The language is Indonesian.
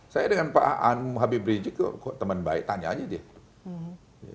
saya dengan pak habib rizik kok teman baik tanya aja dia